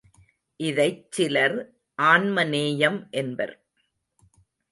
இதைச் சிலர் ஆன்ம நேயம் என்பர்.